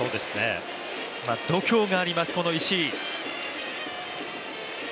度胸があります、この石井。